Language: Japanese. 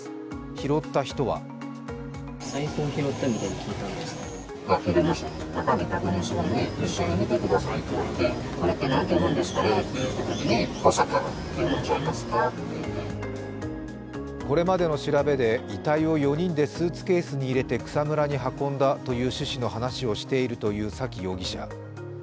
拾った人はこれまでの調べて、遺体を４人でスーツケースに入れて草むらに運んだという趣旨の話をしているという沙喜容疑者。